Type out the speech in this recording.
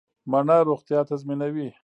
مڼه روغتیا تضمینوي